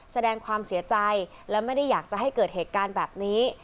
แสดงความเสียใจและไม่ได้อยากจะให้เกิดเหตุการณ์แบบนี้